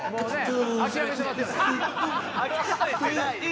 諦めてますよね。